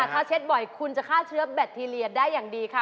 ถ้าเช็ดบ่อยคุณจะฆ่าเชื้อแบคทีเรียได้อย่างดีค่ะ